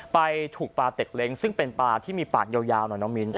ไปถูกปลาเต็กเล้งซึ่งเป็นปลาที่มีปากยาวหน่อยน้องมิ้น